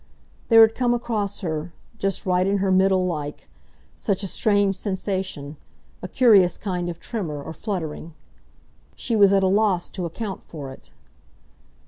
There had come across her—just right in her middle, like—such a strange sensation, a curious kind of tremor, or fluttering. She was at a loss to account for it.